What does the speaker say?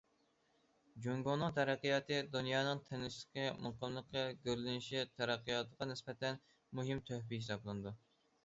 جۇڭگونىڭ تەرەققىياتى دۇنيانىڭ تىنچلىقى، مۇقىملىقى، گۈللىنىشى، تەرەققىياتىغا نىسبەتەن مۇھىم تۆھپە ھېسابلىنىدۇ.